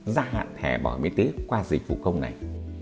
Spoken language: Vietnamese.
gia hạn thẻ bảo hiểm y tế qua dịch vụ công này